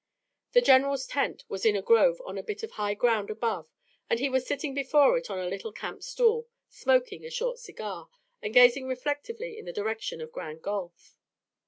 The general's tent was in a grove on a bit of high ground, and he was sitting before it on a little camp stool, smoking a short cigar, and gazing reflectively in the direction of Grand Gulf.